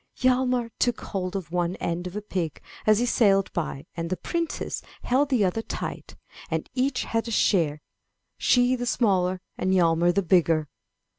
Hjalmar took hold of one end of a pig as he sailed by, and the princess held the other tight, and each had a share, she the smaller and Hjalmar the bigger